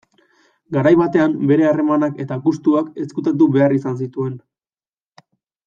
Garai batean bere harremanak eta gustuak ezkutatu behar izan zituen.